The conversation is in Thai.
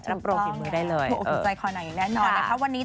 รับโปรดผิดมือได้เลยถูกตรงใจคอหนังอย่างแน่นอนนะคะ